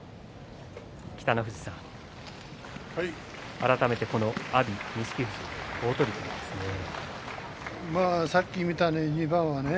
北の富士さん、改めて阿炎、錦富士、好取組ですね。